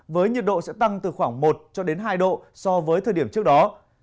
với nhiệt độ sẽ tăng từ khoảng một hai độ so với thời điểm trước đó